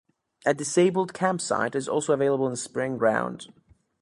A disabled campsite is also available in Spring Ground.